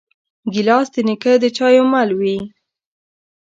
ګیلاس د نیکه د چایو مل وي.